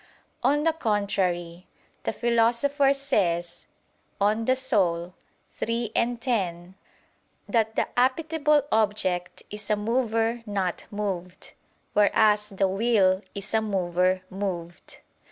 On the contrary, The Philosopher says (De Anima iii, 10) that "the appetible object is a mover not moved, whereas the will is a mover moved."